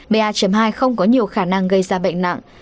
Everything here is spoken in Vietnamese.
ba hai không có nhiều khả năng gây ra bệnh nặng